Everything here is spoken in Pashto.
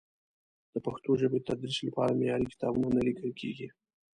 د پښتو ژبې د تدریس لپاره معیاري کتابونه نه لیکل کېږي.